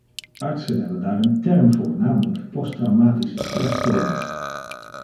Artsen hebben daar een term voor, namelijk posttraumatische stressstoornis.